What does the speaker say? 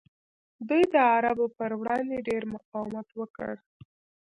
دوی د عربو پر وړاندې ډیر مقاومت وکړ